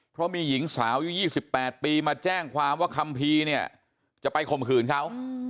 เพราะมีหญิงสาวอายุ๒๘ปีมาแจ้งความว่าคัมภีร์เนี่ยจะไปข่มขืนเขา